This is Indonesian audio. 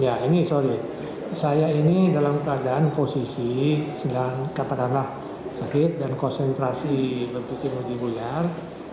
ya ini sorry saya ini dalam keadaan posisi katakanlah sakit dan konsentrasi berputus asa di bulan